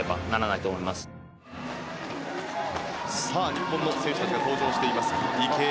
日本の選手たちが登場しています。